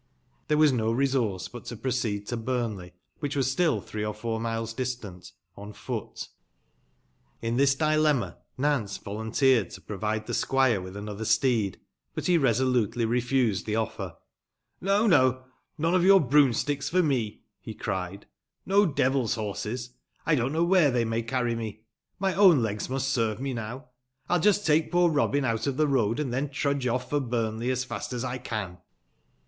Tbere was no resource but to proceed to Bumley, wbicb was stiU tbree or four miles distant, on foot. THE LANCASHntE WITCHES. 463 In thiß dilemma, Nance volunteered to provide the sqaire with another steed, but he resolutely refused tne offer. " No, no — none of your broomsticks for me," be cried; " no devil's horses — I don't know wbere tbey may carry me. My own legs muBt serve me now. I'll just take poor Eobin out of tbe road, and tben trudge off for Buniley as fast as I can.'